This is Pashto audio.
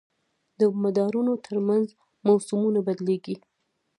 د مدارونو تر منځ موسمونه بدلېږي.